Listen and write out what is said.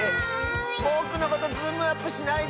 ぼくのことズームアップしないで！